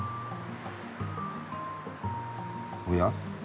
おや？